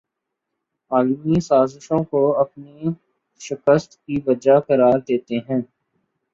عالمی سازشوں کو اپنی شکست کی وجہ قرار دیتے ہیں